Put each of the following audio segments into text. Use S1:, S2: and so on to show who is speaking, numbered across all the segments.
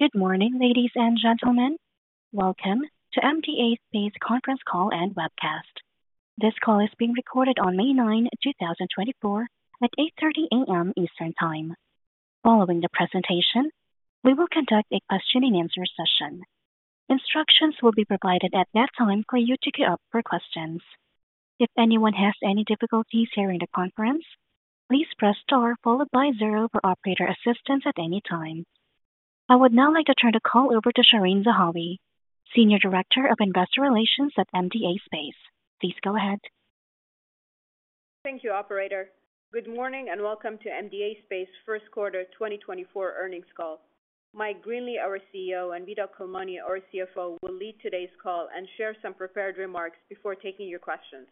S1: Good morning, ladies and gentlemen. Welcome to MDA Space conference call and webcast. This call is being recorded on May 9, 2024, at 8:30 A.M. Eastern Time. Following the presentation, we will conduct a question-and-answer session. Instructions will be provided at that time for you to gear up for questions. If anyone has any difficulties hearing the conference, please press star followed by 0 for operator assistance at any time. I would now like to turn the call over to Shereen Zahawi, Senior Director of Investor Relations at MDA Space. Please go ahead.
S2: Thank you, Operator. Good morning and welcome to MDA Space first quarter 2024 earnings call. Mike Greenley, our Chief Executive Officer and Vito Culmone, our Chief Financial Officer will lead today's call and share some prepared remarks before taking your questions.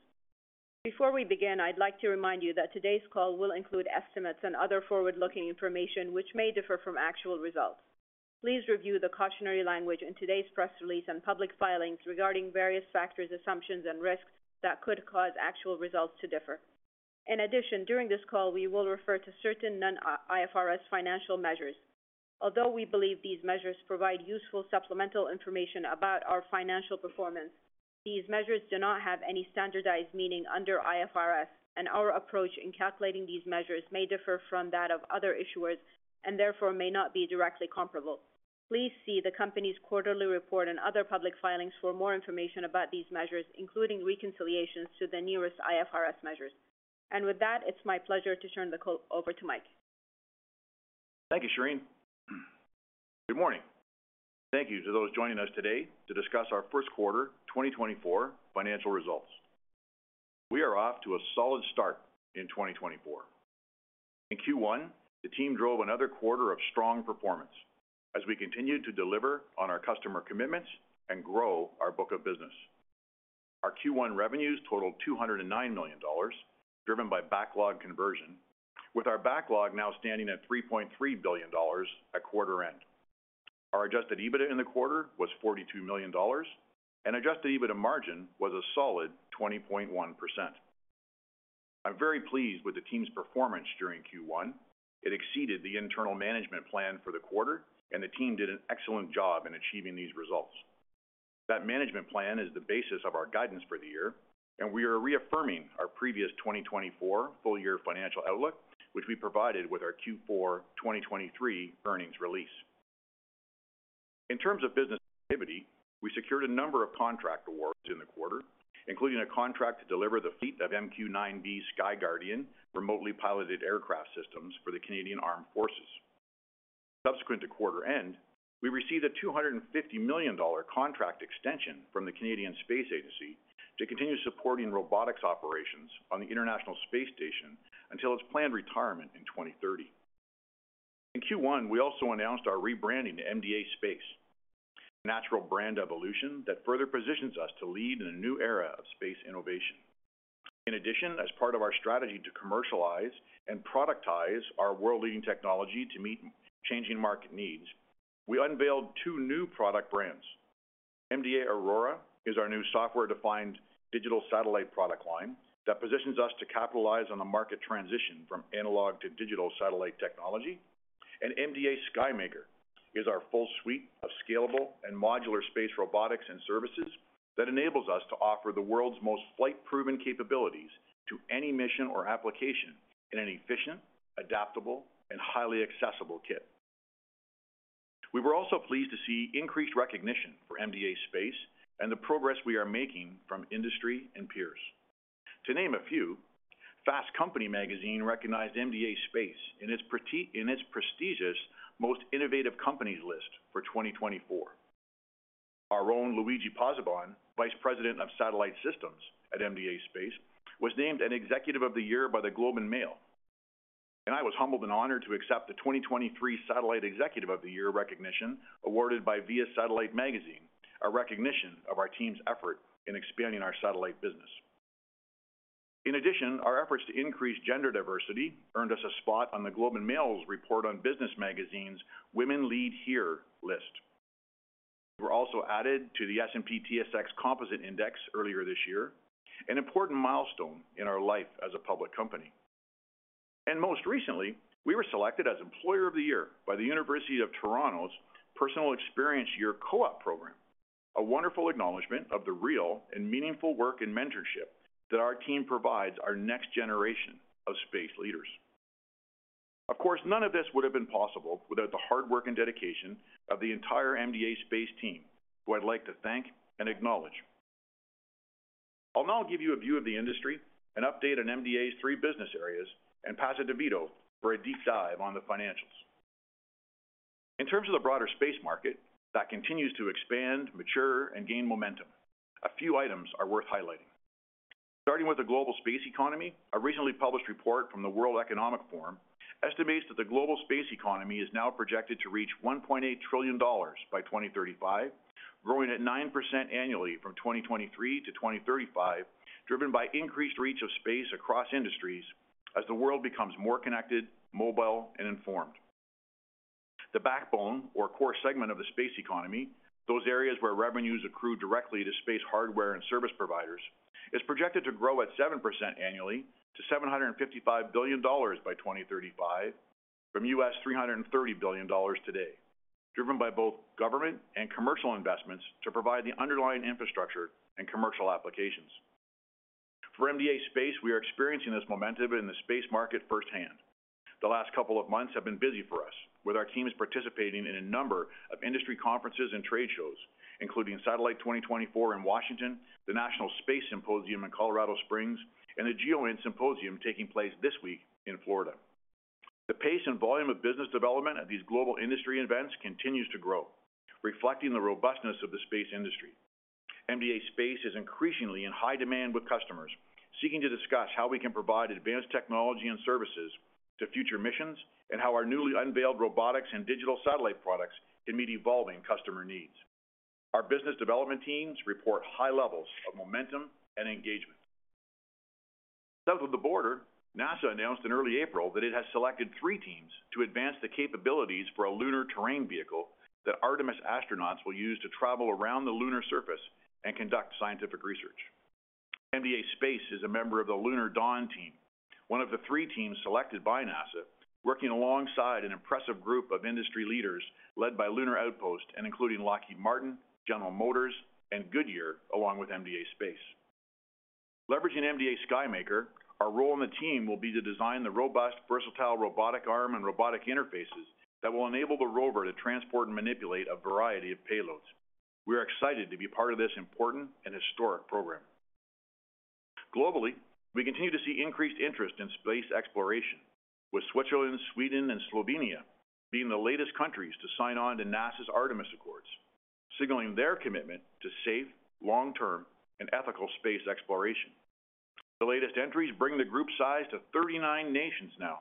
S2: Before we begin, I'd like to remind you that today's call will include estimates and other forward-looking information which may differ from actual results. Please review the cautionary language in today's press release and public filings regarding various factors, assumptions, and risks that could cause actual results to differ. In addition, during this call we will refer to certain Non-IFRS financial measures. Although we believe these measures provide useful supplemental information about our financial performance, these measures do not have any standardized meaning under IFRS, and our approach in calculating these measures may differ from that of other issuers and therefore may not be directly comparable. Please see the company's quarterly report and other public filings for more information about these measures, including reconciliations to the nearest IFRS measures. With that, it's my pleasure to turn the call over to Mike.
S3: Thank you, Shereen. Good morning. Thank you to those joining us today to discuss our first quarter 2024 financial results. We are off to a solid start in 2024. In Q1, the team drove another quarter of strong performance as we continued to deliver on our customer commitments and grow our book of business. Our Q1 revenues totaled 209 million dollars, driven by backlog conversion, with our backlog now standing at 3.3 billion dollars at quarter end. Our adjusted EBITDA in the quarter was 42 million dollars, and adjusted EBITDA margin was a solid 20.1%. I'm very pleased with the team's performance during Q1. It exceeded the internal management plan for the quarter, and the team did an excellent job in achieving these results. That management plan is the basis of our guidance for the year, and we are reaffirming our previous 2024 full-year financial outlook, which we provided with our Q4 2023 earnings release. In terms of business activity, we secured a number of contract awards in the quarter, including a contract to deliver the fleet of MQ-9B SkyGuardian remotely piloted aircraft systems for the Canadian Armed Forces. Subsequent to quarter end, we received a 250 million dollar contract extension from the Canadian Space Agency to continue supporting robotics operations on the International Space Station until its planned retirement in 2030. In Q1, we also announced our rebranding to MDA Space, a natural brand evolution that further positions us to lead in a new era of space innovation. In addition, as part of our strategy to commercialize and productize our world-leading technology to meet changing market needs, we unveiled two new product brands. MDA Aurora is our new software-defined digital satellite product line that positions us to capitalize on the market transition from analog to digital satellite technology, and MDA SkyMaker is our full suite of scalable and modular space robotics and services that enables us to offer the world's most flight-proven capabilities to any mission or application in an efficient, adaptable, and highly accessible kit. We were also pleased to see increased recognition for MDA Space and the progress we are making from industry and peers. To name a few, Fast Company magazine recognized MDA Space in its prestigious Most Innovative Companies list for 2024. Our own Luigi Pozzebon, Vice President of Satellite Systems at MDA Space, was named an Executive of the Year by The Globe and Mail, and I was humbled and honored to accept the 2023 Satellite Executive of the Year recognition awarded by Via Satellite magazine, a recognition of our team's effort in expanding our satellite business. In addition, our efforts to increase gender diversity earned us a spot on The Globe and Mail's Report on Business magazine's Women Lead Here list. We were also added to the S&P TSX Composite Index earlier this year, an important milestone in our life as a public company. Most recently, we were selected as Employer of the Year by the University of Toronto's Personal Experience Year Co-op program, a wonderful acknowledgment of the real and meaningful work and mentorship that our team provides our next generation of space leaders. Of course, none of this would have been possible without the hard work and dedication of the entire MDA Space team, who I'd like to thank and acknowledge. I'll now give you a view of the industry, an update on MDA's three business areas, and pass it to Vito for a deep dive on the financials. In terms of the broader space market that continues to expand, mature, and gain momentum, a few items are worth highlighting. Starting with the global space economy, a recently published report from the World Economic Forum estimates that the global space economy is now projected to reach $1.8 trillion by 2035, growing at 9% annually from 2023 to 2035, driven by increased reach of space across industries as the world becomes more connected, mobile, and informed. The backbone, or core segment, of the space economy, those areas where revenues accrue directly to space hardware and service providers, is projected to grow at 7% annually to $755 billion by 2035 from $330 billion today, driven by both government and commercial investments to provide the underlying infrastructure and commercial applications. For MDA Space, we are experiencing this momentum in the space market firsthand. The last couple of months have been busy for us, with our teams participating in a number of industry conferences and trade shows, including Satellite 2024 in Washington, D.C., the National Space Symposium in Colorado Springs, Colorado, and the GEOINT Symposium taking place this week in Florida. The pace and volume of business development at these global industry events continues to grow, reflecting the robustness of the space industry. MDA Space is increasingly in high demand with customers seeking to discuss how we can provide advanced technology and services to future missions and how our newly unveiled robotics and digital satellite products can meet evolving customer needs. Our business development teams report high levels of momentum and engagement. South of the border, NASA announced in early April that it has selected three teams to advance the capabilities for a lunar terrain vehicle that Artemis astronauts will use to travel around the lunar surface and conduct scientific research. MDA Space is a member of the Lunar Dawn team, one of the three teams selected by NASA, working alongside an impressive group of industry leaders led by Lunar Outpost and including Lockheed Martin, General Motors, and Goodyear, along with MDA Space. Leveraging MDA SkyMaker, our role in the team will be to design the robust, versatile robotic arm and robotic interfaces that will enable the rover to transport and manipulate a variety of payloads. We are excited to be part of this important and historic program. Globally, we continue to see increased interest in space exploration, with Switzerland, Sweden, and Slovenia being the latest countries to sign on to NASA's Artemis Accords, signaling their commitment to safe, long-term, and ethical space exploration. The latest entries bring the group size to 39 nations now,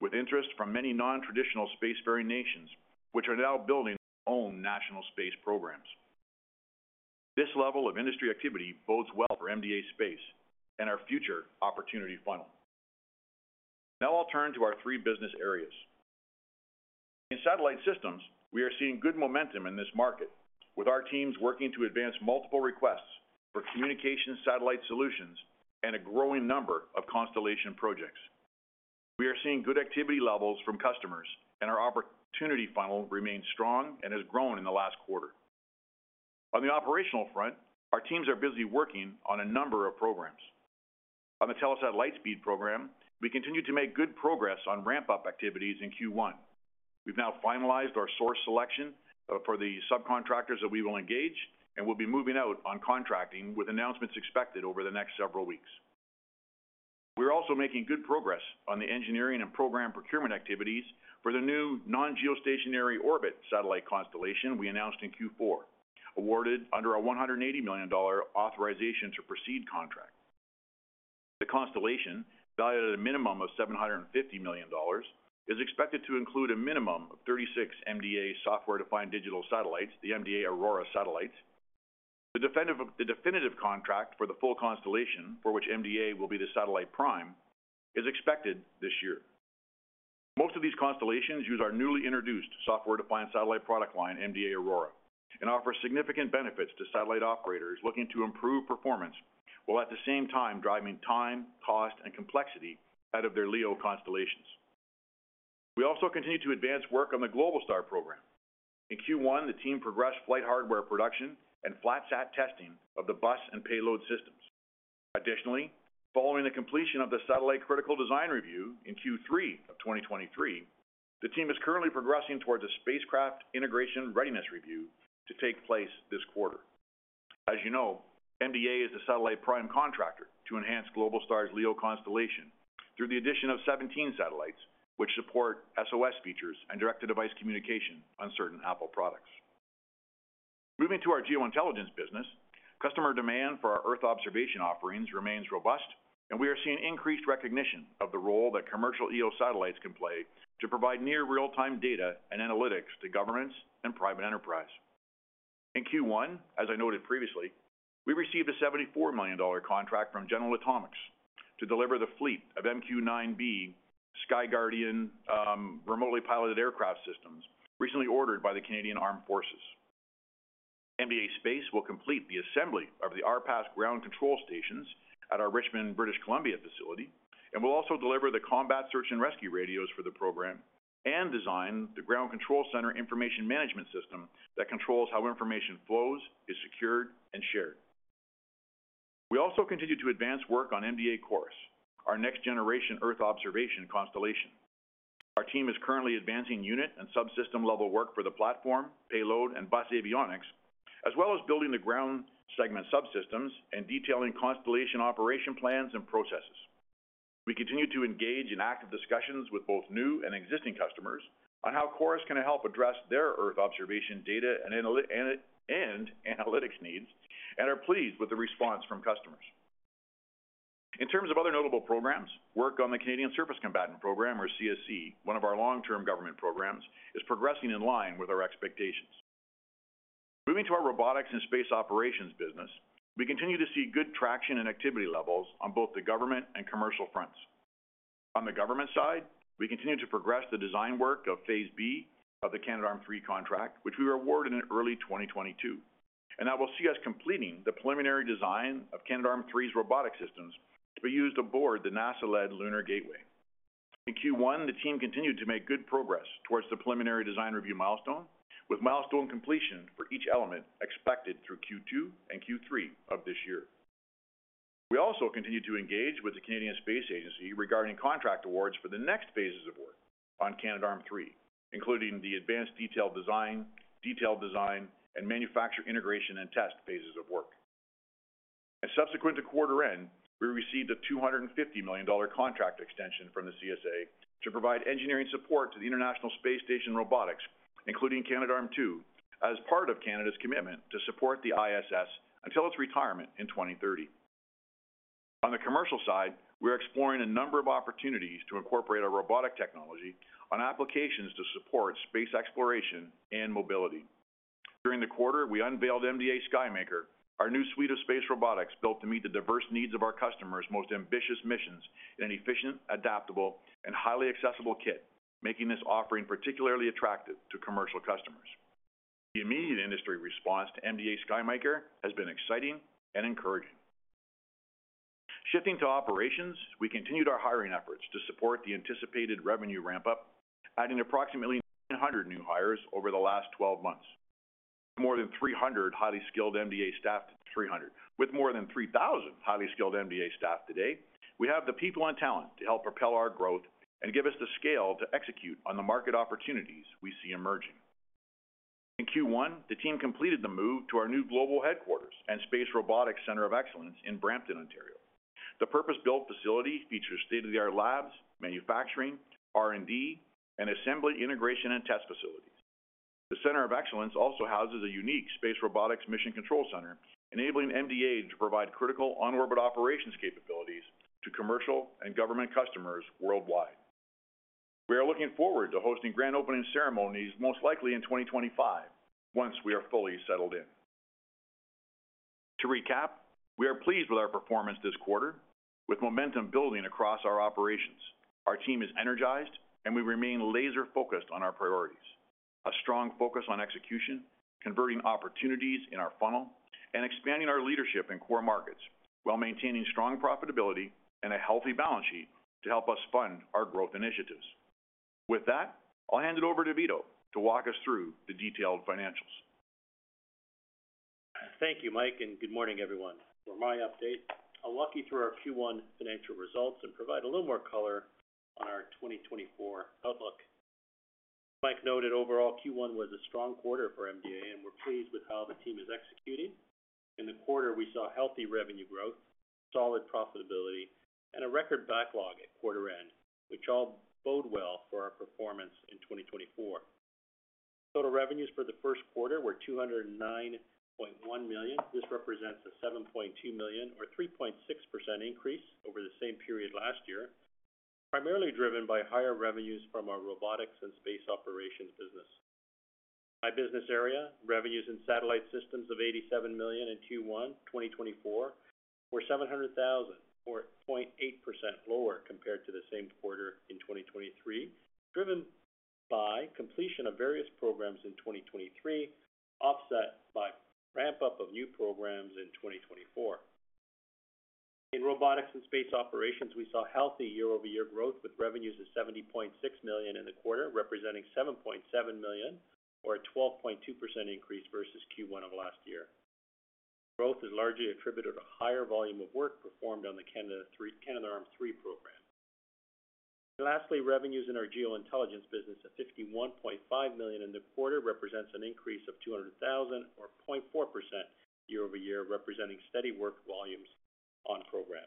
S3: with interest from many non-traditional spacefaring nations which are now building their own national space programs. This level of industry activity bodes well for MDA Space and our future opportunity funnel. Now I'll turn to our three business areas. In satellite systems, we are seeing good momentum in this market, with our teams working to advance multiple requests for communication satellite solutions and a growing number of constellation projects. We are seeing good activity levels from customers, and our opportunity funnel remains strong and has grown in the last quarter. On the operational front, our teams are busy working on a number of programs. On the Telesat Lightspeed program, we continue to make good progress on ramp-up activities in Q1. We've now finalized our source selection for the subcontractors that we will engage and will be moving out on contracting, with announcements expected over the next several weeks. We're also making good progress on the engineering and program procurement activities for the new non-geostationary orbit satellite constellation we announced in Q4, awarded under a $180 million authorization to proceed contract. The constellation, valued at a minimum of $750 million, is expected to include a minimum of 36 MDA software-defined digital satellites, the MDA Aurora satellites. The definitive contract for the full constellation, for which MDA will be the satellite prime, is expected this year. Most of these constellations use our newly introduced software-defined satellite product line, MDA Aurora, and offer significant benefits to satellite operators looking to improve performance while at the same time driving time, cost, and complexity out of their LEO constellations. We also continue to advance work on the Globalstar program. In Q1, the team progressed flight hardware production and FlatSat testing of the bus and payload systems. Additionally, following the completion of the satellite critical design review in Q3 of 2023, the team is currently progressing towards a spacecraft integration readiness review to take place this quarter. As you know, MDA is the satellite prime contractor to enhance Globalstar's LEO constellation through the addition of 17 satellites, which support SOS features and direct-to-device communication on certain Apple products. Moving to our geointelligence business, customer demand for our Earth observation offerings remains robust, and we are seeing increased recognition of the role that commercial EO satellites can play to provide near-real-time data and analytics to governments and private enterprise. In Q1, as I noted previously, we received a $74 million contract from General Atomics to deliver the fleet of MQ-9B SkyGuardian remotely piloted aircraft systems recently ordered by the Canadian Armed Forces. MDA Space will complete the assembly of the RPAS ground control stations at our Richmond, British Columbia facility, and will also deliver the combat search and rescue radios for the program and design the Ground Control Center Information Management System that controls how information flows, is secured, and shared. We also continue to advance work on MDA CHORUS, our next-generation Earth observation constellation. Our team is currently advancing unit and subsystem-level work for the platform, payload, and bus avionics, as well as building the ground segment subsystems and detailing constellation operation plans and processes. We continue to engage in active discussions with both new and existing customers on how CHORUS can help address their Earth observation data and analytics needs and are pleased with the response from customers. In terms of other notable programs, work on the Canadian Surface Combatant Program, or CSC, one of our long-term government programs, is progressing in line with our expectations. Moving to our robotics and space operations business, we continue to see good traction and activity levels on both the government and commercial fronts. On the government side, we continue to progress the design work of Phase B of the Canadarm3 contract, which we were awarded in early 2022, and that will see us completing the preliminary design of Canadarm3's robotic systems to be used aboard the NASA-led Lunar Gateway. In Q1, the team continued to make good progress towards the preliminary design review milestone, with milestone completion for each element expected through Q2 and Q3 of this year. We also continue to engage with the Canadian Space Agency regarding contract awards for the next phases of work on Canadarm3, including the advanced detailed design, detailed design, and manufacture integration and test phases of work. Subsequent to quarter end, we received a 250 million dollar contract extension from the CSA to provide engineering support to the International Space Station robotics, including Canadarm2, as part of Canada's commitment to support the ISS until its retirement in 2030. On the commercial side, we are exploring a number of opportunities to incorporate our robotic technology on applications to support space exploration and mobility. During the quarter, we unveiled MDA SkyMaker, our new suite of space robotics built to meet the diverse needs of our customers' most ambitious missions in an efficient, adaptable, and highly accessible kit, making this offering particularly attractive to commercial customers. The immediate industry response to MDA SkyMaker has been exciting and encouraging. Shifting to operations, we continued our hiring efforts to support the anticipated revenue ramp-up, adding approximately 900 new hires over the last 12 months. More than 300 highly skilled MDA staff. 300. With more than 3,000 highly skilled MDA staff today, we have the people and talent to help propel our growth and give us the scale to execute on the market opportunities we see emerging. In Q1, the team completed the move to our new global headquarters and Space Robotics Center of Excellence in Brampton, Ontario. The purpose-built facility features state-of-the-art labs, manufacturing, R&D, and assembly integration and test facilities. The Center of Excellence also houses a unique space robotics mission control center, enabling MDA to provide critical on-orbit operations capabilities to commercial and government customers worldwide. We are looking forward to hosting grand opening ceremonies most likely in 2025 once we are fully settled in. To recap, we are pleased with our performance this quarter, with momentum building across our operations. Our team is energized, and we remain laser-focused on our priorities: a strong focus on execution, converting opportunities in our funnel, and expanding our leadership in core markets while maintaining strong profitability and a healthy balance sheet to help us fund our growth initiatives. With that, I'll hand it over to Vito to walk us through the detailed financials.
S4: Thank you, Mike, and good morning, everyone. For my update, I'll walk you through our Q1 financial results and provide a little more color on our 2024 outlook. Mike noted overall Q1 was a strong quarter for MDA, and we're pleased with how the team is executing. In the quarter, we saw healthy revenue growth, solid profitability, and a record backlog at quarter end, which all bode well for our performance in 2024. Total revenues for the first quarter were 209.1 million. This represents a 7.2 million, or 3.6%, increase over the same period last year, primarily driven by higher revenues from our robotics and space operations business. My business area, revenues in satellite systems of 87 million in Q1 2024, were 700,000, or 0.8% lower compared to the same quarter in 2023, driven by completion of various programs in 2023 offset by ramp-up of new programs in 2024. In robotics and space operations, we saw healthy year-over-year growth with revenues of 70.6 million in the quarter, representing 7.7 million, or a 12.2% increase versus Q1 of last year. Growth is largely attributed to higher volume of work performed on the Canadarm3 program. Lastly, revenues in our Geointelligence business of 51.5 million in the quarter represents an increase of 200,000, or 0.4% year-over-year, representing steady work volumes on program.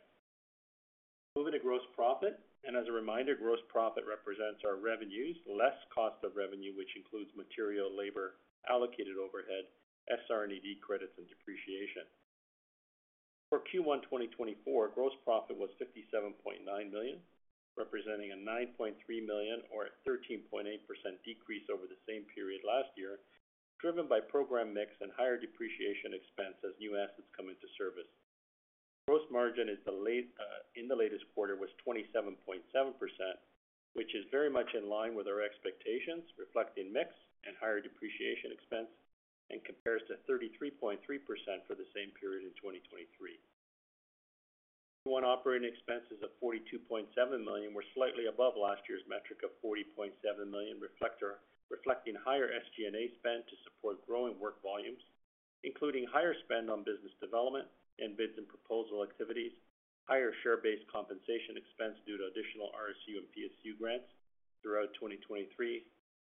S4: Moving to gross profit, and as a reminder, gross profit represents our revenues, less cost of revenue, which includes material, labor, allocated overhead, SR&ED credits, and depreciation. For Q1 2024, gross profit was 57.9 million, representing a 9.3 million, or a 13.8%, decrease over the same period last year, driven by program mix and higher depreciation expense as new assets come into service. Gross margin in the latest quarter was 27.7%, which is very much in line with our expectations, reflecting mix and higher depreciation expense and compares to 33.3% for the same period in 2023. Q1 operating expenses of 42.7 million were slightly above last year's metric of 40.7 million, reflecting higher SG&A spend to support growing work volumes, including higher spend on business development and bids and proposal activities, higher share-based compensation expense due to additional RSU and PSU grants throughout 2023,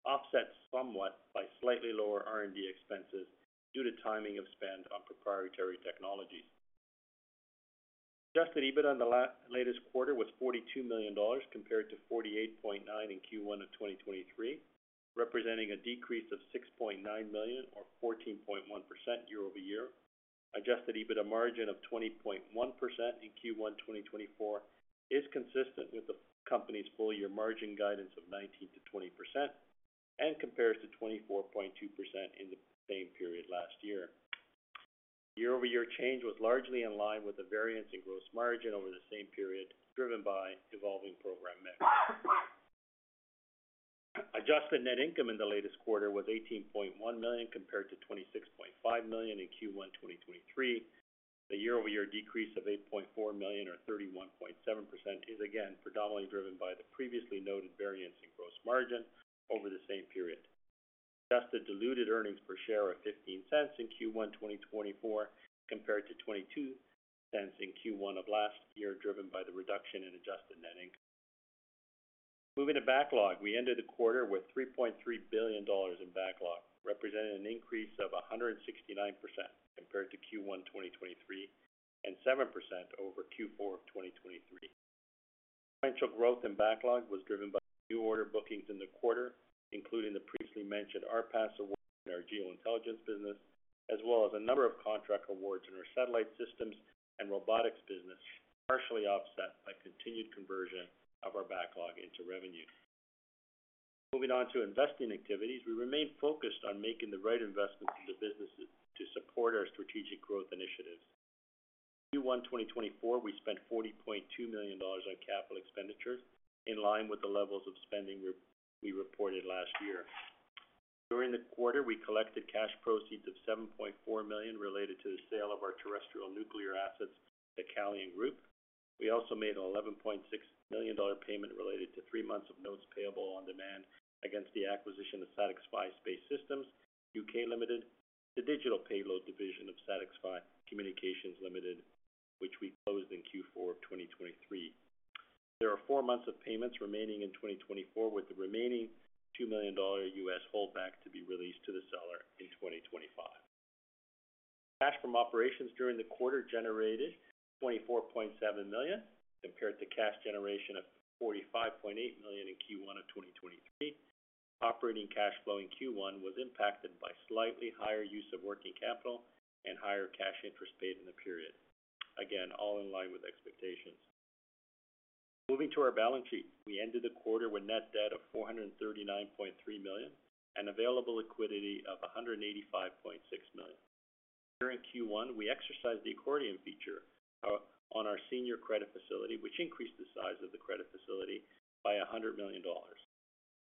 S4: offset somewhat by slightly lower R&D expenses due to timing of spend on proprietary technologies. Adjusted EBITDA in the latest quarter was 42 million dollars compared to 48.9 million in Q1 of 2023, representing a decrease of 6.9 million, or 14.1% year-over-year. Adjusted EBITDA margin of 20.1% in Q1 2024 is consistent with the company's full-year margin guidance of 19%-20% and compares to 24.2% in the same period last year. Year-over-year change was largely in line with the variance in gross margin over the same period, driven by evolving program mix. Adjusted net income in the latest quarter was 18.1 million compared to 26.5 million in Q1 2023. The year-over-year decrease of 8.4 million, or 31.7%, is again predominantly driven by the previously noted variance in gross margin over the same period. Adjusted diluted earnings per share are 0.15 in Q1 2024 compared to 0.22 in Q1 of last year, driven by the reduction in adjusted net income. Moving to backlog, we ended the quarter with 3.3 billion dollars in backlog, representing an increase of 169% compared to Q1 2023 and 7% over Q4 of 2023. Financial growth in backlog was driven by new order bookings in the quarter, including the previously mentioned RPAS award in our Geointelligence business, as well as a number of contract awards in our satellite systems and robotics business, partially offset by continued conversion of our backlog into revenue. Moving on to investing activities, we remain focused on making the right investments in the businesses to support our strategic growth initiatives. In Q1 2024, we spent 40.2 million dollars on capital expenditures in line with the levels of spending we reported last year. During the quarter, we collected cash proceeds of 7.4 million related to the sale of our terrestrial nuclear assets to Calian Group. We also made a 11.6 million dollar payment related to three months of notes payable on demand against the acquisition of SatixFy Space Systems UK Ltd, the digital payload division of SatixFy Communications Ltd, which we closed in Q4 of 2023. There are four months of payments remaining in 2024, with the remaining $2 million US holdback to be released to the seller in 2025. Cash from operations during the quarter generated 24.7 million compared to cash generation of 45.8 million in Q1 of 2023. Operating cash flow in Q1 was impacted by slightly higher use of working capital and higher cash interest paid in the period. Again, all in line with expectations. Moving to our balance sheet, we ended the quarter with net debt of 439.3 million and available liquidity of 185.6 million. During Q1, we exercised the accordion feature on our senior credit facility, which increased the size of the credit facility by 100 million dollars.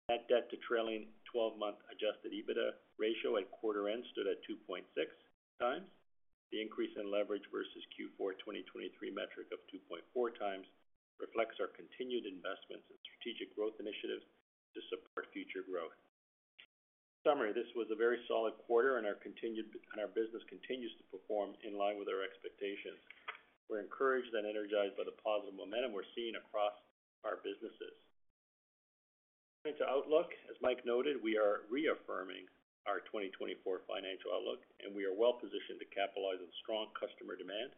S4: Net debt to trailing 12-month Adjusted EBITDA ratio at quarter end stood at 2.6x. The increase in leverage versus Q4 2023 metric of 2.4x reflects our continued investments in strategic growth initiatives to support future growth. In summary, this was a very solid quarter, and our business continues to perform in line with our expectations. We're encouraged and energized by the positive momentum we're seeing across our businesses. Moving to outlook, as Mike noted, we are reaffirming our 2024 financial outlook, and we are well positioned to capitalize on strong customer demand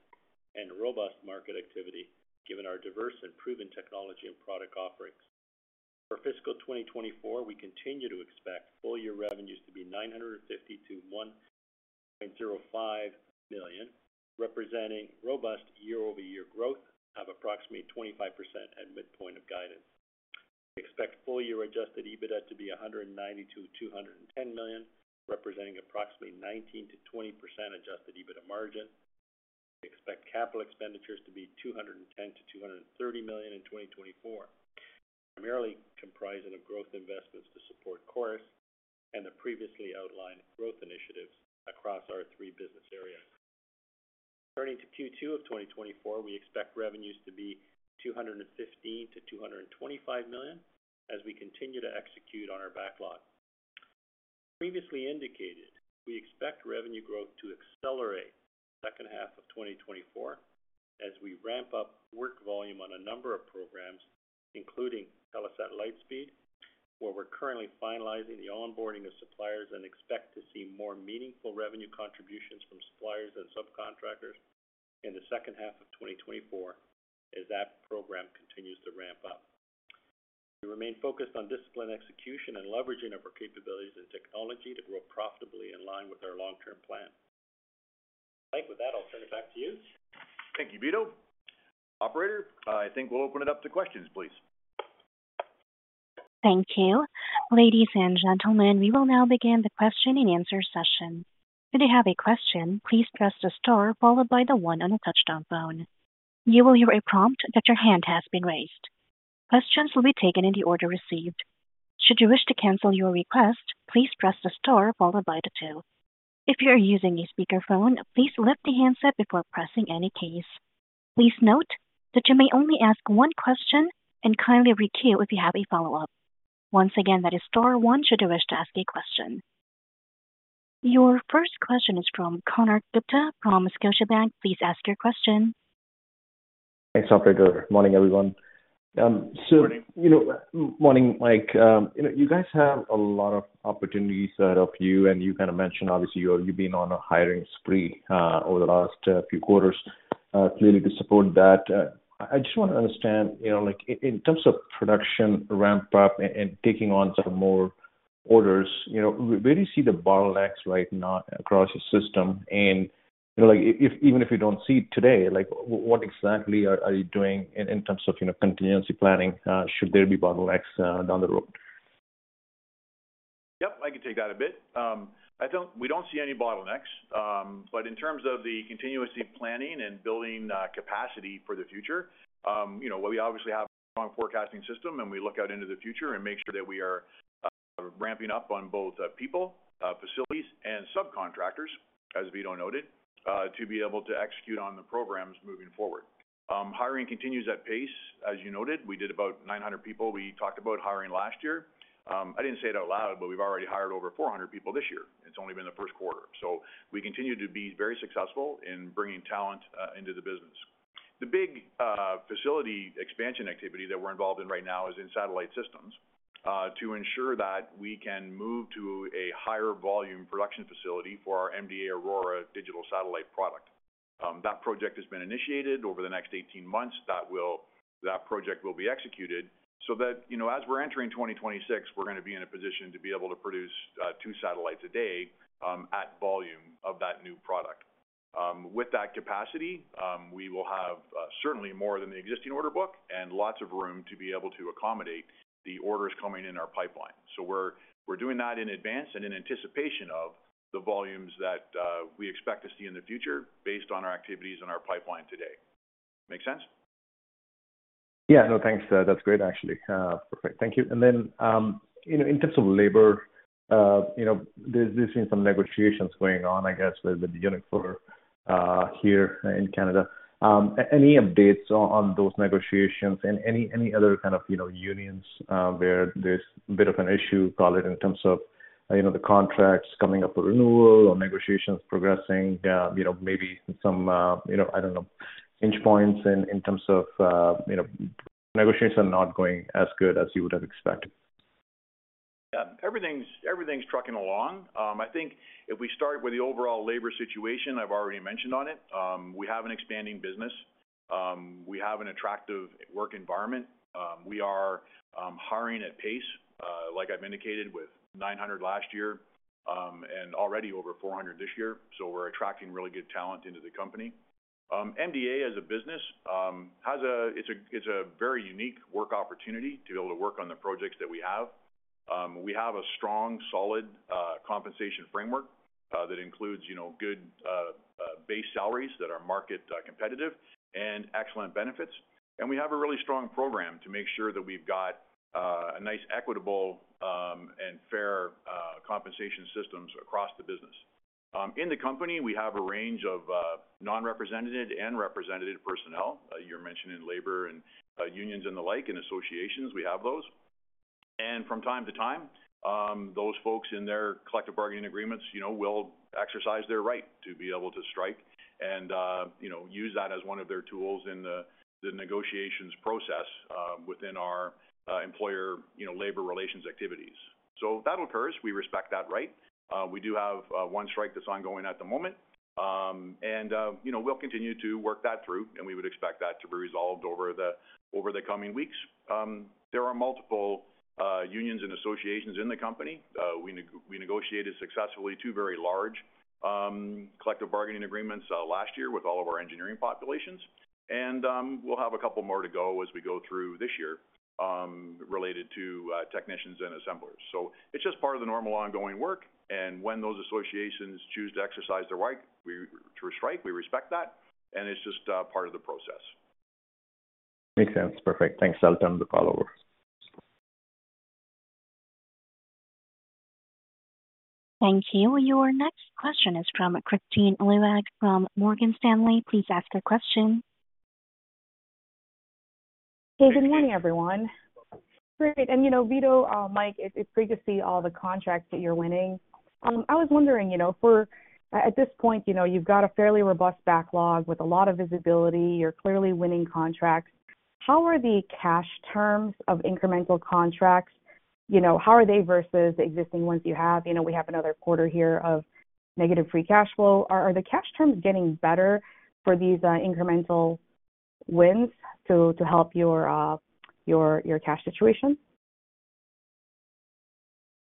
S4: and robust market activity given our diverse and proven technology and product offerings. For fiscal 2024, we continue to expect full-year revenues to be 952.05 million, representing robust year-over-year growth of approximately 25% at midpoint of guidance. We expect full-year Adjusted EBITDA to be 192.210 million, representing approximately 19%-20% Adjusted EBITDA Margin. We expect capital expenditures to be 210 million-230 million in 2024, primarily comprising of growth investments to support CHORUS and the previously outlined growth initiatives across our three business areas. Turning to Q2 of 2024, we expect revenues to be 215 million-225 million as we continue to execute on our backlog. As previously indicated, we expect revenue growth to accelerate the second half of 2024 as we ramp up work volume on a number of programs, including Telesat Lightspeed, where we're currently finalizing the onboarding of suppliers and expect to see more meaningful revenue contributions from suppliers and subcontractors in the second half of 2024 as that program continues to ramp up. We remain focused on disciplined execution and leveraging of our capabilities and technology to grow profitably in line with our long-term plan. Mike, with that, I'll turn it back to you.
S3: Thank you, Vito. Operator, I think we'll open it up to questions, please.
S1: Thank you. Ladies and gentlemen, we will now begin the question-and-answer session. If you have a question, please press the star followed by the one on the touch-tone phone. You will hear a prompt that your hand has been raised. Questions will be taken in the order received. Should you wish to cancel your request, please press the star followed by the two. If you are using a speakerphone, please lift the handset before pressing any case. Please note that you may only ask one question and kindly requeue if you have a follow-up. Once again, that is star one should you wish to ask a question. Your first question is from Konark Gupta from Scotiabank. Please ask your question.
S5: Thanks, Operator. Morning, everyone. Good morning. Morning, Mike. You guys have a lot of opportunities ahead of you, and you kind of mentioned, obviously, you've been on a hiring spree over the last few quarters, clearly to support that. I just want to understand, in terms of production ramp-up and taking on some more orders, where do you see the bottlenecks right now across your system?
S3: Even if you don't see it today, what exactly are you doing in terms of contingency planning? Should there be bottlenecks down the road? Yep, I can take that a bit. We don't see any bottlenecks, but in terms of the contingency planning and building capacity for the future, we obviously have a strong forecasting system, and we look out into the future and make sure that we are ramping up on both people, facilities, and subcontractors, as Vito noted, to be able to execute on the programs moving forward. Hiring continues at pace. As you noted, we did about 900 people we talked about hiring last year. I didn't say it out loud, but we've already hired over 400 people this year. It's only been the first quarter. So we continue to be very successful in bringing talent into the business. The big facility expansion activity that we're involved in right now is in satellite systems to ensure that we can move to a higher volume production facility for our MDA Aurora digital satellite product. That project has been initiated over the next 18 months. That project will be executed so that, as we're entering 2026, we're going to be in a position to be able to produce 2 satellites a day at volume of that new product. With that capacity, we will have certainly more than the existing order book and lots of room to be able to accommodate the orders coming in our pipeline. So we're doing that in advance and in anticipation of the volumes that we expect to see in the future based on our activities in our pipeline today. Make sense?
S5: Yeah. No, thanks. That's great, actually. Perfect. Thank you. And then in terms of labor, there's been some negotiations going on, I guess, with the Unifor here in Canada. Any updates on those negotiations and any other kind of unions where there's a bit of an issue, call it, in terms of the contracts coming up for renewal or negotiations progressing, maybe some, I don't know, pain points in terms of negotiations are not going as good as you would have expected?
S3: Yeah. Everything's trucking along. I think if we start with the overall labor situation, I've already mentioned on it, we have an expanding business. We have an attractive work environment. We are hiring at pace, like I've indicated, with 900 last year and already over 400 this year. So we're attracting really good talent into the company. MDA, as a business, it's a very unique work opportunity to be able to work on the projects that we have. We have a strong, solid compensation framework that includes good base salaries that are market competitive and excellent benefits. And we have a really strong program to make sure that we've got a nice, equitable, and fair compensation systems across the business. In the company, we have a range of nonrepresentative and representative personnel. You were mentioning labor and unions and the like and associations. We have those. And from time to time, those folks in their collective bargaining agreements will exercise their right to be able to strike and use that as one of their tools in the negotiations process within our employer-labor relations activities. So that'll occur. We respect that right. We do have one strike that's ongoing at the moment, and we'll continue to work that through, and we would expect that to be resolved over the coming weeks. There are multiple unions and associations in the company. We negotiated successfully two very large collective bargaining agreements last year with all of our engineering populations. We'll have a couple more to go as we go through this year related to technicians and assemblers. It's just part of the normal ongoing work. When those associations choose to exercise their right to strike, we respect that, and it's just part of the process. Makes sense. Perfect. Thanks,
S1: Thank you. Your next question is from Kristine Liwag from Morgan Stanley. Please ask your question.
S6: Hey, good morning, everyone. Great. And Vito, Mike, it's great to see all the contracts that you're winning. I was wondering, at this point, you've got a fairly robust backlog with a lot of visibility. You're clearly winning contracts. How are the cash terms of incremental contracts? How are they versus the existing ones you have? We have another quarter here of negative free cash flow. Are the cash terms getting better for these incremental wins to help your cash situation?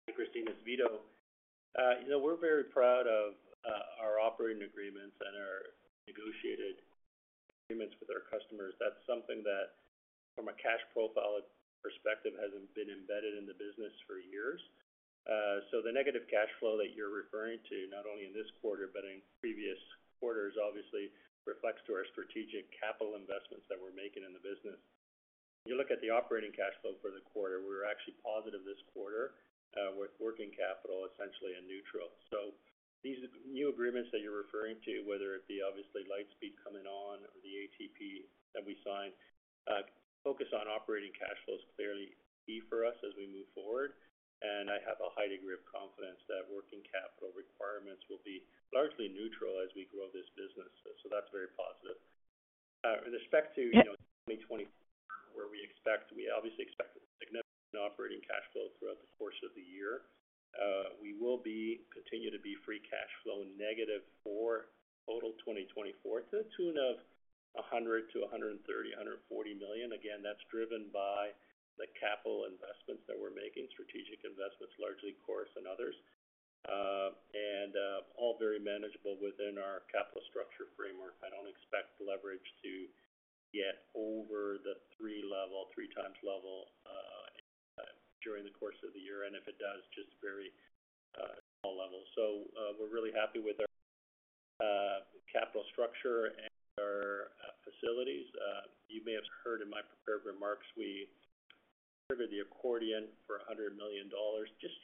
S4: Hi, Christine. It's Vito. We're very proud of our operating agreements and our negotiated agreements with our customers. That's something that, from a cash profile perspective, has been embedded in the business for years. So the negative cash flow that you're referring to, not only in this quarter but in previous quarters, obviously, reflects to our strategic capital investments that we're making in the business. If you look at the operating cash flow for the quarter, we were actually positive this quarter with working capital essentially in neutral. So these new agreements that you're referring to, whether it be, obviously, Lightspeed coming on or the ATP that we signed, focus on operating cash flow is clearly key for us as we move forward. And I have a high degree of confidence that working capital requirements will be largely neutral as we grow this business. So that's very positive. With respect to 2024, where we obviously expect significant operating cash flow throughout the course of the year, we will continue to be free cash flow negative for total 2024 to the tune of 100 million-140 million. Again, that's driven by the capital investments that we're making, strategic investments, largely CHORUS and others, and all very manageable within our capital structure framework. I don't expect leverage to get over the 3x level during the course of the year. And if it does, just very small level. So we're really happy with our capital structure and our facilities. You may have heard in my prepared remarks, we triggered the accordion for $100 million, just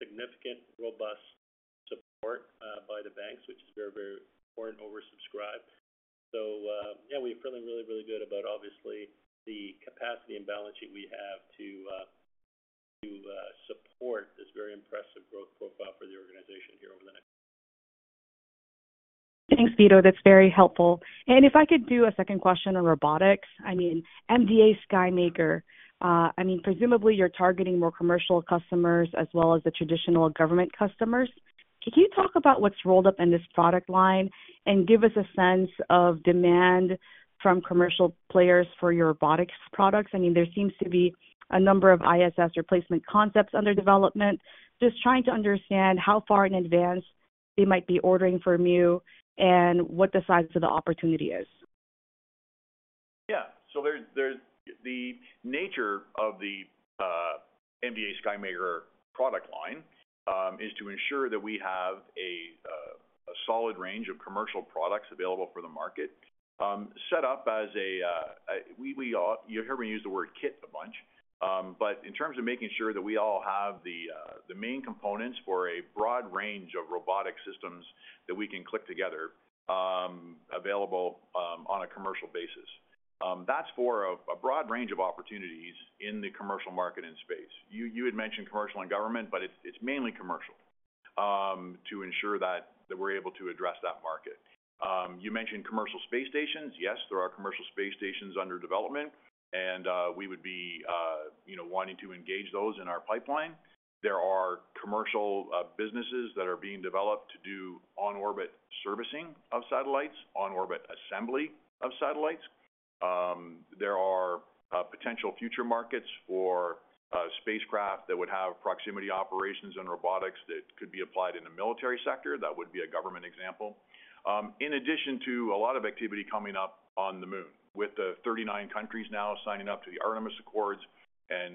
S4: significant, robust support by the banks, which is very, very important, oversubscribed. So yeah, we feel really, really good about, obviously, the capacity and balance sheet we have to support this very impressive growth profile for the organization here over the next year.
S6: Thanks, Vito. That's very helpful. And if I could do a second question on robotics, I mean, MDA SkyMaker, I mean, presumably, you're targeting more commercial customers as well as the traditional government customers. Can you talk about what's rolled up in this product line and give us a sense of demand from commercial players for your robotics products? I mean, there seems to be a number of ISS replacement concepts under development. Just trying to understand how far in advance they might be ordering from you and what the size of the opportunity is.
S4: Yeah. So the nature of the MDA SkyMaker product line is to ensure that we have a solid range of commercial products available for the market, set up as a—you'll hear me use the word kit a bunch. But in terms of making sure that we all have the main components for a broad range of robotic systems that we can click together available on a commercial basis, that's for a broad range of opportunities in the commercial market and space. You had mentioned commercial and government, but it's mainly commercial to ensure that we're able to address that market. You mentioned commercial space stations. Yes, there are commercial space stations under development, and we would be wanting to engage those in our pipeline. There are commercial businesses that are being developed to do on-orbit servicing of satellites, on-orbit assembly of satellites. There are potential future markets for spacecraft that would have proximity operations and robotics that could be applied in the military sector. That would be a government example, in addition to a lot of activity coming up on the moon with the 39 countries now signing up to the Artemis Accords and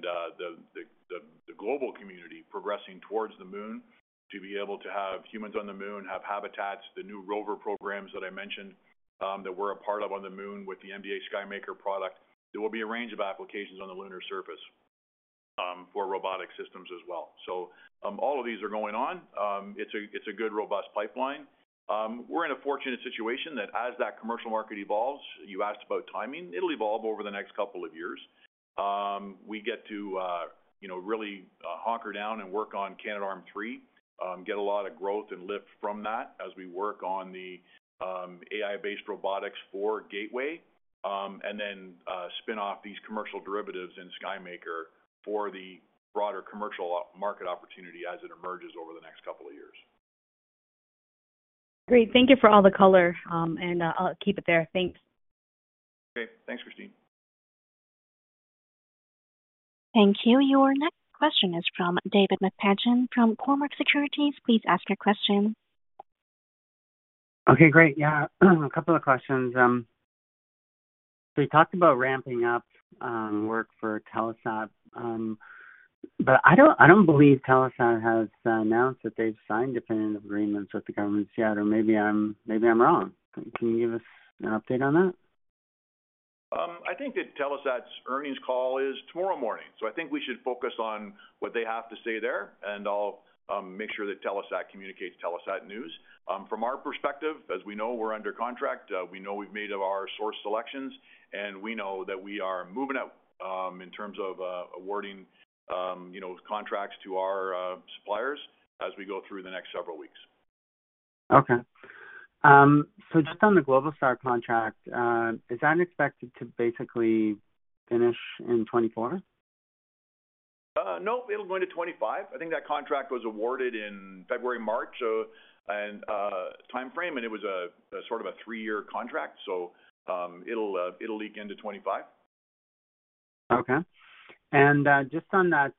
S4: the global community progressing towards the moon to be able to have humans on the moon, have habitats, the new rover programs that I mentioned that we're a part of on the moon with the MDA SkyMaker product. There will be a range of applications on the lunar surface for robotic systems as well. So all of these are going on. It's a good, robust pipeline. We're in a fortunate situation that, as that commercial market evolves, you asked about timing, it'll evolve over the next couple of years. We get to really hunker down and work on Canadarm3, get a lot of growth and lift from that as we work on the AI-based robotics for Gateway, and then spin off these commercial derivatives in SkyMaker for the broader commercial market opportunity as it emerges over the next couple of years.
S6: Great. Thank you for all the color, and I'll keep it there. Thanks.
S4: Okay. Thanks, Kristine.
S1: Thank you. Your next question is from David McFadgen from Cormark Securities. Please ask your question. Okay. Great. Yeah. A couple of questions. So you talked about ramping up work for Telesat, but I don't believe Telesat has announced that they've signed definitive agreements with the government yet. Or maybe I'm wrong. Can you give us an update on that?
S3: I think that Telesat's earnings call is tomorrow morning. So I think we should focus on what they have to say there, and I'll make sure that Telesat communicates Telesat news. From our perspective, as we know, we're under contract. We know we've made our source selections, and we know that we are moving up in terms of awarding contracts to our suppliers as we go through the next several weeks.
S7: Okay. So just on the Globalstar contract, is that expected to basically finish in 2024?
S3: Nope. It'll go into 2025. I think that contract was awarded in February/March timeframe, and it was sort of a three-year contract. So it'll leak into 2025.
S7: Okay. And just on that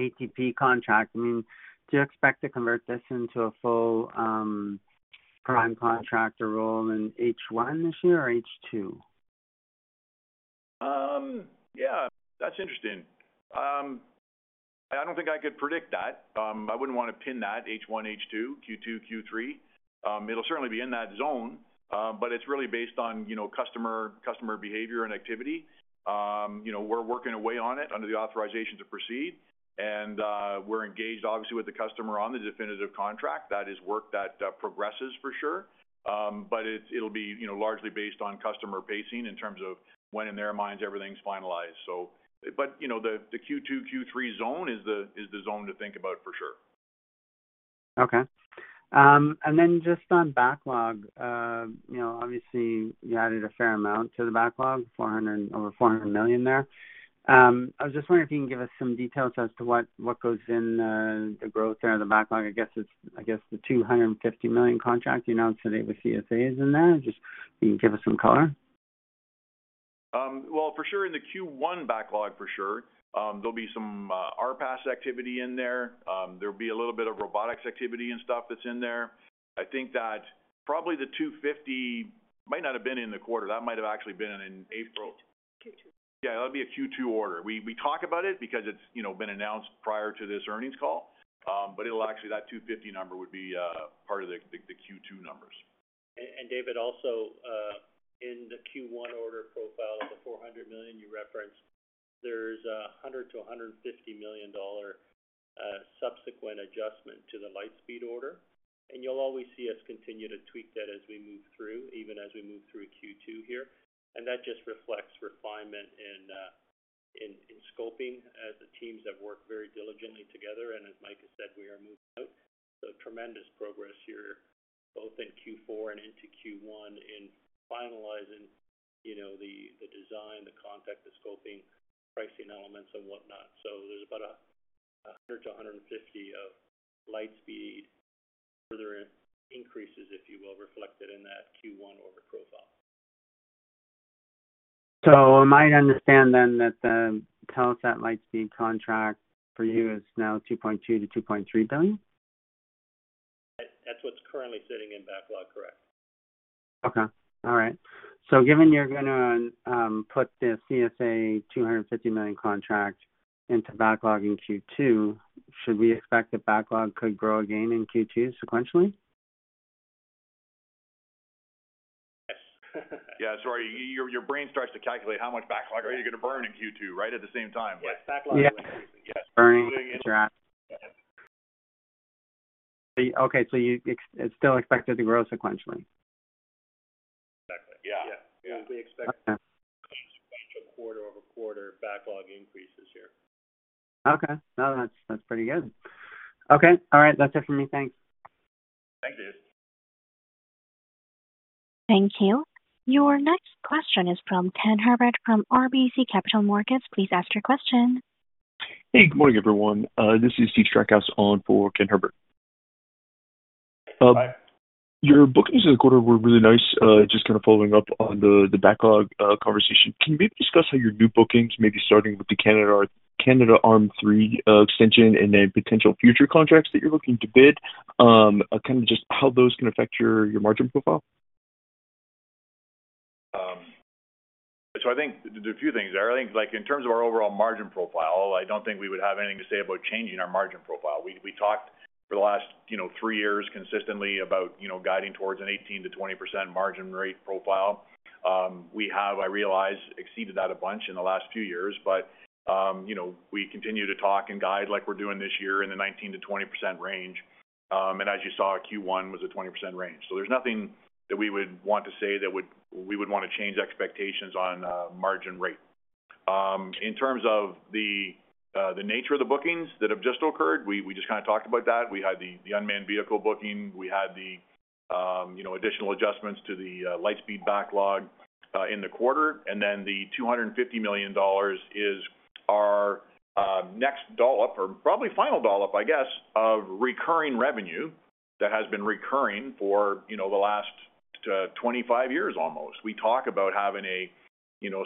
S7: ATP contract, I mean, do you expect to convert this into a full prime contractor role in H1 this year or H2?
S3: Yeah. That's interesting. I don't think I could predict that. I wouldn't want to pin that H1, H2, Q2, Q3. It'll certainly be in that zone, but it's really based on customer behavior and activity. We're working away on it under the authorizations to proceed, and we're engaged, obviously, with the customer on the definitive contract. That is work that progresses, for sure. But it'll be largely based on customer pacing in terms of when, in their minds, everything's finalized. But the Q2, Q3 zone is the zone to think about for sure.
S7: Okay. And then just on backlog, obviously, you added a fair amount to the backlog, over 400 million there. I was just wondering if you can give us some details as to what goes in the growth there, the backlog. I guess the 250 million contract, you announced today with CSA is in there. Just if you can give us some color.
S3: Well, for sure, in the Q1 backlog, for sure, there'll be some RPAS activity in there. There'll be a little bit of robotics activity and stuff that's in there. I think that probably the 250 million might not have been in the quarter. That might have actually been in April. Wait. Q2. Yeah. That'll be a Q2 order. We talk about it because it's been announced prior to this earnings call. But actually, that 250 million number would be part of the Q2 numbers.
S4: And David, also, in the Q1 order profile of the 400 million you referenced, there's a 100 million-150 million dollar subsequent adjustment to the Lightspeed order. And you'll always see us continue to tweak that as we move through, even as we move through Q2 here. And that just reflects refinement in scoping as the teams have worked very diligently together. And as Mike has said, we are moving out. So tremendous progress here both in Q4 and into Q1 in finalizing the design, the contract, the scoping, pricing elements, and whatnot. So there's about 100-150 of Lightspeed further increases, if you will, reflected in that Q1 order profile.
S7: So am I to understand then that the Telesat Lightspeed contract for you is now 2.2 billion-2.3 billion?
S4: That's what's currently sitting in backlog, correct.
S7: Okay. All right. So given you're going to put the CSA 250 million contract into backlog in Q2, should we expect the backlog could grow again in Q2 sequentially?
S4: Yes. Yeah. Sorry. Your brain starts to calculate how much backlog are you going to burn in Q2, right, at the same time. Yes. Backlog is increasing. Yes. Burning. You're asking. Okay. So it's still expected to grow sequentially? Exactly. Yeah. Yeah. Yeah. We expect sequential quarter-over-quarter backlog increases here.
S7: Okay. No, that's pretty good. Okay. All right. That's it from me. Thanks.
S4: Thank you.
S1: Thank you. Your next question is from Ken Herbert from RBC Capital Markets. Please ask your question.
S8: Hey, good morning, everyone. This is Steve Stackhouse on for Ken Herbert. Hi. Your bookings this quarter were really nice. Just kind of following up on the backlog conversation. Can you maybe discuss how your new bookings, maybe starting with the Canadarm3 extension and then potential future contracts that you're looking to bid, kind of just how those can affect your margin profile?
S3: So I think there's a few things there. I think in terms of our overall margin profile, I don't think we would have anything to say about changing our margin profile. We talked for the last 3 years consistently about guiding towards an 18%-20% margin rate profile. We have, I realize, exceeded that a bunch in the last few years. But we continue to talk and guide like we're doing this year in the 19%-20% range. And as you saw, Q1 was a 20% range. So there's nothing that we would want to say that we would want to change expectations on margin rate. In terms of the nature of the bookings that have just occurred, we just kind of talked about that. We had the unmanned vehicle booking. We had the additional adjustments to the Lightspeed backlog in the quarter. And then the $250 million is our next dollop or probably final dollop, I guess, of recurring revenue that has been recurring for the last 25 years almost. We talk about having a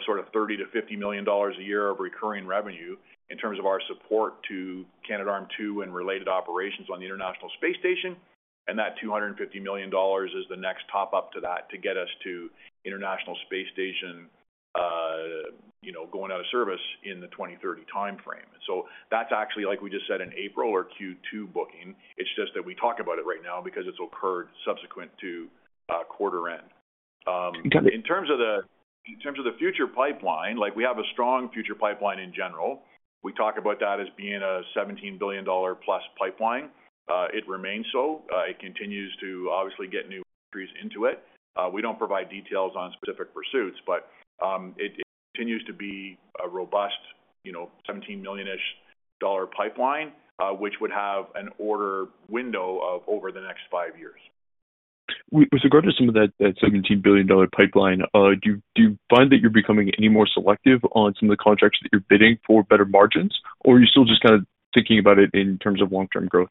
S3: sort of 30 million-50 million dollars a year of recurring revenue in terms of our support to Canadarm2 and related operations on the International Space Station. That 250 million dollars is the next top-up to that to get us to International Space Station going out of service in the 2030 timeframe. So that's actually, like we just said, an April or Q2 booking. It's just that we talk about it right now because it's occurred subsequent to quarter end. In terms of the future pipeline, we have a strong future pipeline in general. We talk about that as being a 17 billion dollar+ pipeline. It remains so. It continues to, obviously, get new entries into it. We don't provide details on specific pursuits, but it continues to be a robust 17 million-ish dollar pipeline, which would have an order window of over the next 5 years.
S8: With regard to some of that $17 billion pipeline, do you find that you're becoming any more selective on some of the contracts that you're bidding for better margins, or are you still just kind of thinking about it in terms of long-term growth?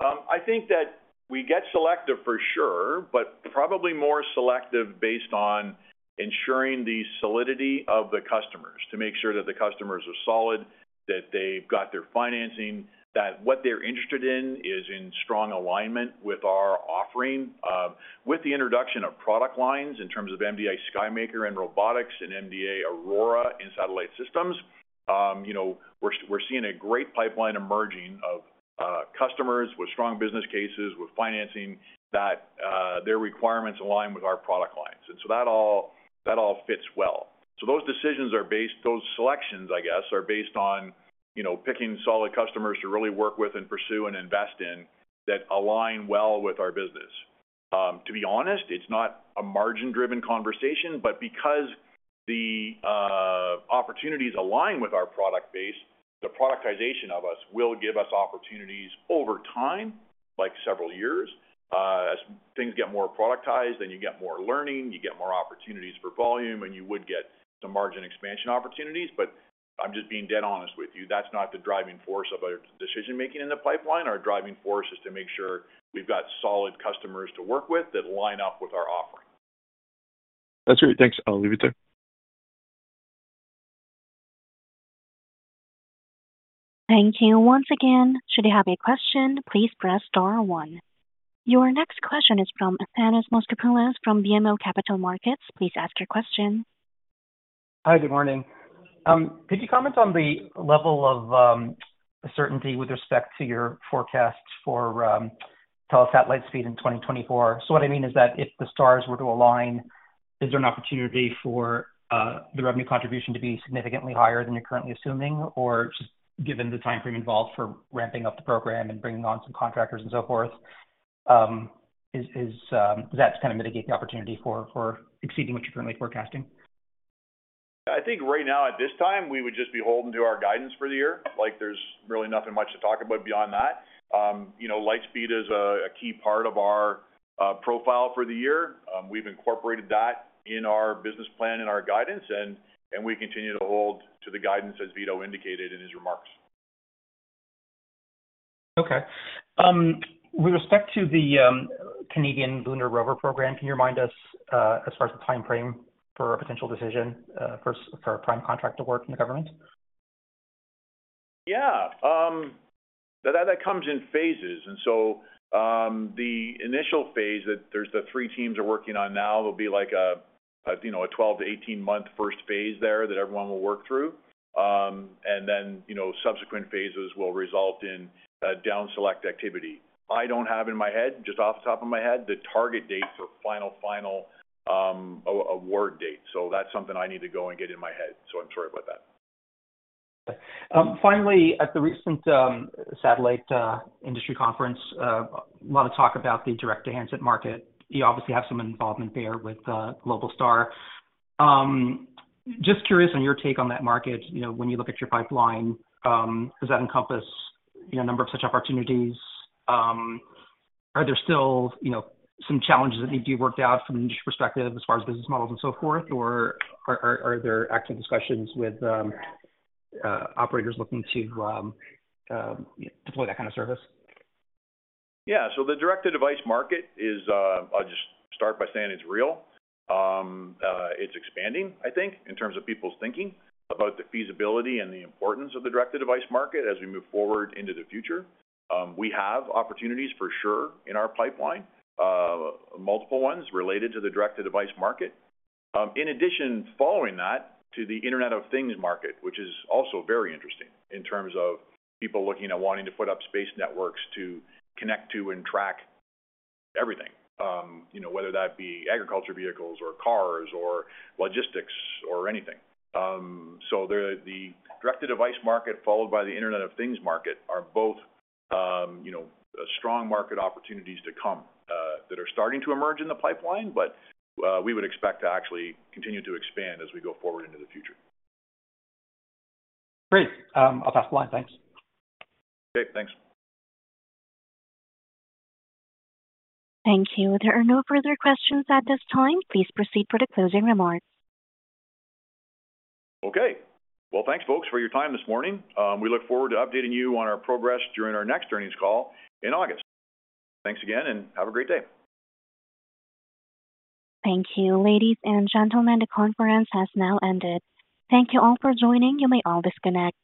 S3: I think that we get selective, for sure, but probably more selective based on ensuring the solidity of the customers to make sure that the customers are solid, that they've got their financing, that what they're interested in is in strong alignment with our offering. With the introduction of product lines in terms of MDA SkyMaker and robotics and MDA Aurora and satellite systems, we're seeing a great pipeline emerging of customers with strong business cases, with financing that their requirements align with our product lines. And so that all fits well. So those selections, I guess, are based on picking solid customers to really work with and pursue and invest in that align well with our business. To be honest, it's not a margin-driven conversation. But because the opportunities align with our product base, the productization of us will give us opportunities over time, like several years. As things get more productized, then you get more learning, you get more opportunities for volume, and you would get some margin expansion opportunities. But I'm just being dead honest with you. That's not the driving force of our decision-making in the pipeline. Our driving force is to make sure we've got solid customers to work with that line up with our offering.
S8: That's great. Thanks. I'll leave it there.
S1: Thank you once again. Should you have a question, please press star one. Your next question is from Thanos Moschopoulos from BMO Capital Markets. Please ask your question.
S9: Hi. Good morning. Could you comment on the level of certainty with respect to your forecast for Telesat Lightspeed in 2024? So what I mean is that if the stars were to align, is there an opportunity for the revenue contribution to be significantly higher than you're currently assuming? Or just given the timeframe involved for ramping up the program and bringing on some contractors and so forth, does that kind of mitigate the opportunity for exceeding what you're currently forecasting?
S3: Yeah. I think right now, at this time, we would just be holding to our guidance for the year. There's really nothing much to talk about beyond that. Lightspeed is a key part of our profile for the year. We've incorporated that in our business plan, in our guidance, and we continue to hold to the guidance as Vito indicated in his remarks.
S9: Okay. With respect to the Canadian Lunar Rover program, can you remind us as far as the timeframe for a potential decision for a prime contract to work in the government?
S3: Yeah. That comes in phases. And so the initial phase that the three teams are working on now, there'll be a 12-18-month first phase there that everyone will work through. And then subsequent phases will result in down-select activity. I don't have in my head, just off the top of my head, the target date for final award date. So that's something I need to go and get in my head. So I'm sorry about that.
S9: Finally, at the recent satellite industry conference, a lot of talk about the direct-to-handset market. You obviously have some involvement there with Globalstar. Just curious on your take on that market. When you look at your pipeline, does that encompass a number of such opportunities? Are there still some challenges that need to be worked out from an industry perspective as far as business models and so forth, or are there active discussions with operators looking to deploy that kind of service?
S3: Yeah. So the direct-to-device market is. I'll just start by saying it's real. It's expanding, I think, in terms of people's thinking about the feasibility and the importance of the direct-to-device market as we move forward into the future. We have opportunities, for sure, in our pipeline, multiple ones related to the direct-to-device market. In addition, following that, to the Internet of Things market, which is also very interesting in terms of people looking at wanting to put up space networks to connect to and track everything, whether that be agriculture vehicles or cars or logistics or anything. So the Direct-to-Device market followed by the Internet of Things market are both strong market opportunities to come that are starting to emerge in the pipeline, but we would expect to actually continue to expand as we go forward into the future.
S9: Great. I'll pass the line. Thanks.
S3: Okay. Thanks. Thank you. There are no further questions at this time. Please proceed for the closing remarks. Okay. Well, thanks, folks, for your time this morning. We look forward to updating you on our progress during our next earnings call in August. Thanks again, and have a great day.
S1: Thank you, ladies and gentlemen. The conference has now ended. Thank you all for joining. You may all disconnect.